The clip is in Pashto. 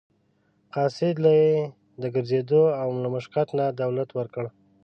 قاصد له یې د ګرځېدو له مشقت نه دولت ورکړ.